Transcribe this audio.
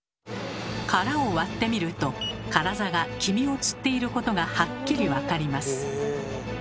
殻を割ってみるとカラザが黄身をつっていることがはっきりわかります。